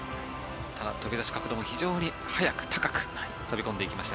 飛び出し角度も非常に速く高く飛び出していきました